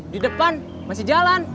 di depan masih jalan